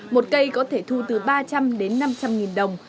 một cây có thể thu từ ba trăm linh đến năm trăm linh nghìn đồng